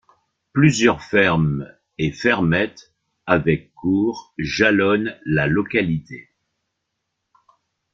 Plusieurs fermes et fermettes avec cour jalonnent la localité.